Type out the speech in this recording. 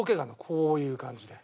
こういう感じで。